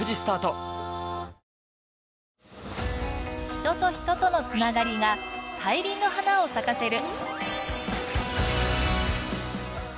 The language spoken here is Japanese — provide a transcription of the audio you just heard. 人と人との繋がりが大輪の花を咲かせる。